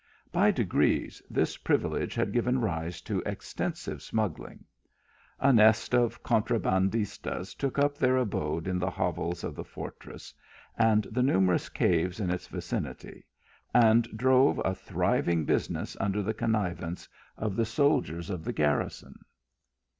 By degrees, this privilege had given rise to extensive smuggling. A nest of contrabandistas took up their abode in the hovels of the fortress and the numerous caves in its vicinity, and drove a thriving business under the connivance of the soldiers of the garrison.